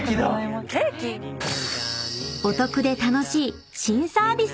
［お得で楽しい新サービスも！］